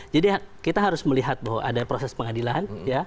jadi kita harus melihat bahwa ada proses pengadilan